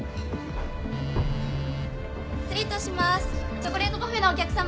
チョコレートパフェのお客さま。